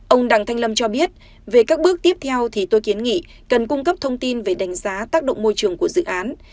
ông đặng thanh lâm cho biết về các bước tiếp theo thì tôi kiến nghị cần cung cấp thông tin về đánh giá tác động môi trường của dự án